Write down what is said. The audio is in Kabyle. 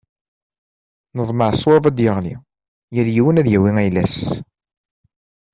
Neḍmeɛ ṣṣwab ad d-yeɣli, yal yiwen ad yawi ayla-s.